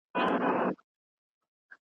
ناروغان ښه شوي دي.